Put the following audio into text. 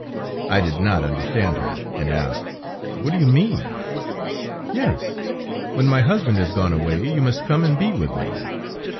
I did not understand her, and asked: "What do you mean?" "Yes, when my husband has gone away; you must come and be with me."